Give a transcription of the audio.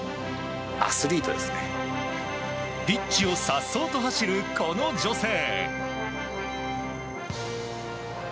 ピッチをさっそうと走るこの女性。